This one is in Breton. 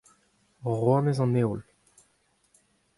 Rouanez an heol.